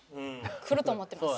くると思ってます。